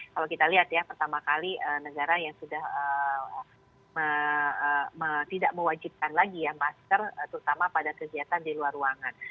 kalau kita lihat ya pertama kali negara yang sudah tidak mewajibkan lagi ya masker terutama pada kegiatan di luar ruangan